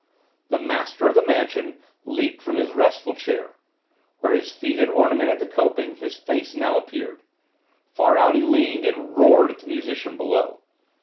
The master of the mansion leaped from his restful chair. Where his feet had ornamented the coping his face now appeared. Far out he leaned, and roared at the musician below.